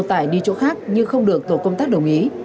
tại đi chỗ khác nhưng không được tổ công tác đồng ý